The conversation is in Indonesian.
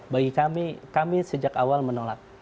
bagi kami kami sejak awal menolak